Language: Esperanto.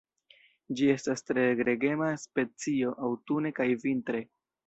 Ĝi estas tre gregema specio aŭtune kaj vintre.